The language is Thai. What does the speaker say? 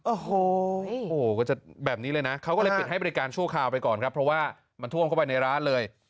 โอ้โหก็จะแบบนี้เลยนะเขาก็เลยปิดให้บริการชั่วคราวไปก่อนครับเพราะว่ามันท่วมเข้าไปในร้านเลย